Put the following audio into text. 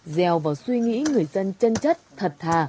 dèo vào suy nghĩ người dân chân chất thật thà